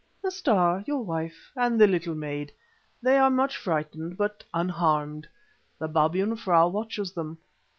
"The Star, your wife, and the little maid. They are much frightened, but unharmed. The Babyan frau watches them.